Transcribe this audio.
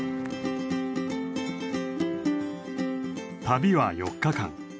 旅は４日間。